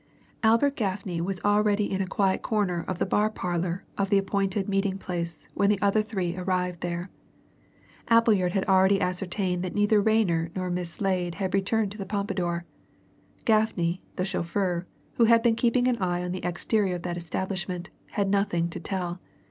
Albert Gaffney was already in a quiet corner of the bar parlour of the appointed meeting place when the other three arrived there. Appleyard had already ascertained that neither Rayner nor Miss Slade had returned to the Pompadour; Gaffney, the chauffeur, who had been keeping an eye on the exterior of that establishment, had nothing to tell.